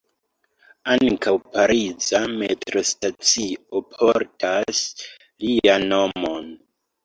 Ankaŭ pariza metrostacio portas lian nomon.